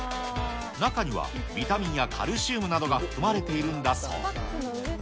中にはビタミンやカルシウムなどが含まれているんだそう。